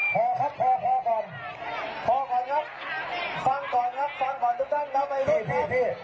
พ่อครับพ่อพ่อก่อนครับฟังก่อนครับฟังก่อนทุกท่านพี่พี่พี่